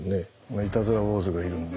いたずら坊主がいるんで。